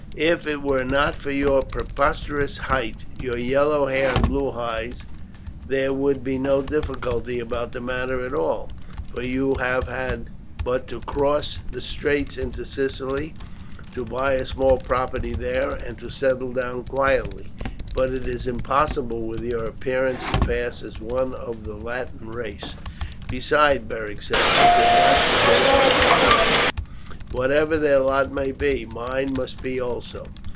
If it were not for your preposterous height, your yellow hair and blue eyes, there would be no difficulty about the matter at all, for you would have but to cross the straits into Sicily, to buy a small property there, and to settle down quietly; but it is impossible with your appearance to pass as one of the Latin race." "Besides," Beric said, "I could not desert my comrades. Whatever their lot may be, mine must be also.